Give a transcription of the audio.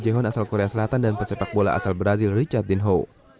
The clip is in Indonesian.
dan juga pemain asal korea selatan dan pesepak bola asal brazil richard dinho